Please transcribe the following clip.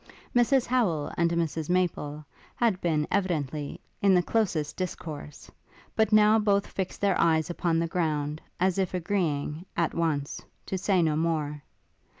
Mrs Howel and Mrs Maple had been, evidently, in the closest discourse, but now both fixed their eyes upon the ground, as if agreeing, at once, to say no more.